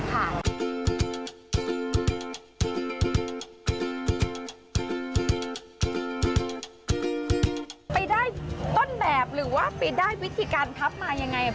ไปได้ต้นแบบหรือว่าไปได้วิธีการพับมายังไง